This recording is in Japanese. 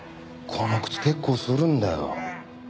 この靴結構するんだよ。